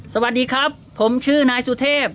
สวัสดีครับผมชื่อนายสุเทพ